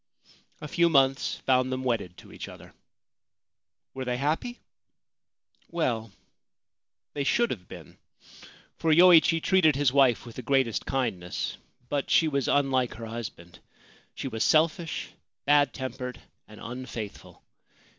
A few months found them wedded to each other. Were they happy ? Well, they should have been, for Yoichi treated his wife with the greatest kindness ; but she was unlike her husband. She was selfish, bad tempered, and unfaithful.